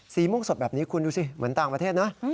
ม่วงสดแบบนี้คุณดูสิเหมือนต่างประเทศนะ